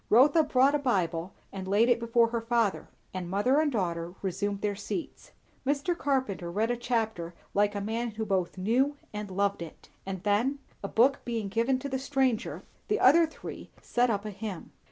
Rotha brought a Bible and laid it before her father; and mother and daughter resumed their seats. Mr. Carpenter read a chapter, like a man who both knew and loved it; and then, a book being given to the stranger, the other three set up a hymn.